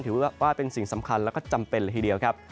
ถือว่าเป็นสิ่งสำคัญแล้วก็จำเป็นเลยทีเดียวครับ